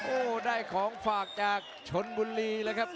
โอ้โหได้ของฝากจากชนบุรีแล้วครับ